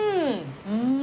うん！